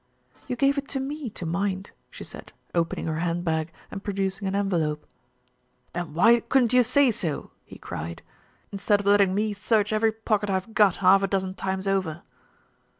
"You gave it to me to mind," she said, opening her hand bag and producing an envelope. "Then why couldn't you say so?" he cried. "In stead of letting me search every pocket I've got half a dozen times over."